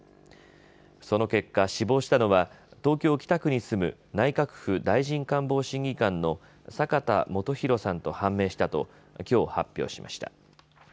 その結果、死亡したのは東京北区に住む内閣府大臣官房審議官の酒田元洋さんと判明したときょう発表しました。